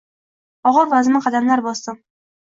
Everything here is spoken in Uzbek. Og‘ir-vazmin qadamlar bosdim.